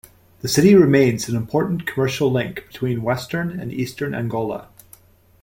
The city remains an important commercial link between western and eastern Angola.